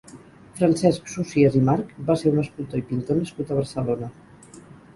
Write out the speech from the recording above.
Francesc Socies i March va ser un escultor i pintor nascut a Barcelona.